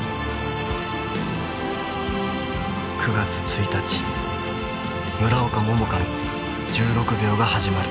９月１日村岡桃佳の１６秒が始まる。